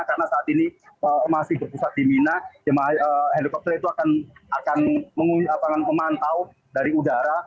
karena saat ini masih berpusat di mina helikopter itu akan memantau dari udara